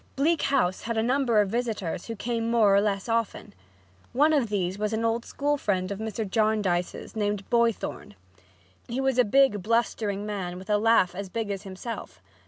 Bleak House had a number of visitors who came more or less often. One of these was an old school friend of Mr. Jarndyce's, named Boythorn. He was a big, blustering man with a laugh as big as himself.